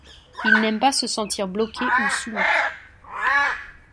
Il n'aime pas se sentir bloqué ou soumis.